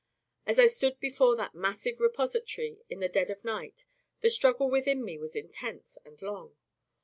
As I stood before that massive repository in the dead of night, the struggle within me was intense and long.